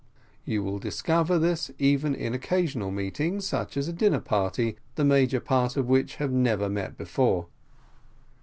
You will discover this even in occasional meetings, such as a dinner party, the major part of which have never met before.